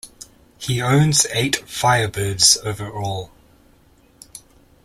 He owns eight Firebirds overall.